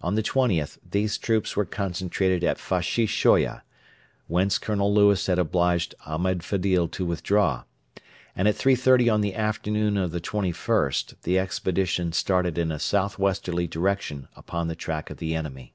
On the 20th these troops were concentrated at Fashi Shoya, whence Colonel Lewis had obliged Ahmed Fedil to withdraw, and at 3.30 on the afternoon of the 21st the expedition started in a south westerly direction upon the track of the enemy.